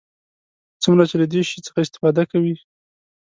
څومره چې له دې شي څخه استفاده کوي.